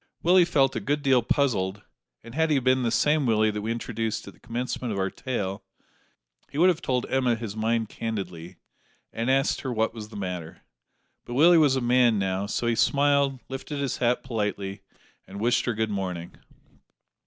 Willie felt a good deal puzzled, and had he been the same Willie that we introduced at the commencement of our tale, he would have told Emma his mind candidly, and asked her what was the matter; but Willie was a man now, so he smiled, lifted his hat politely, and wished her good morning.